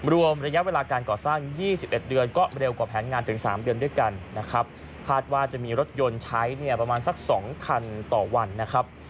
รวมระยะเวลาการก่อสร้าง๒๑เดือนก็เร็วกว่าแผนงานถึง๓เดือนด้วยกันนะครับคาดว่าจะมีรถยนต์ใช้เนี่ยประมาณสัก๒คันต่อวันนะครับ